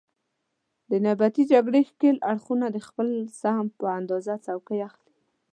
د نیابتي جګړې ښکېل اړخونه د خپل سهم په اندازه څوکۍ اخلي.